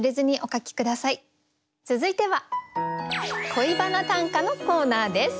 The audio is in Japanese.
続いては「恋バナ短歌」のコーナーです。